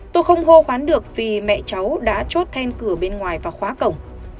tôi không hô hoán được vì mẹ cháu đã chốt then cửa bên ngoài và khóa cổng